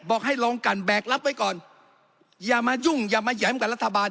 บอกให้ลองกันแบกรับไว้ก่อนอย่ามายุ่งอย่ามาแยมกับรัฐบาล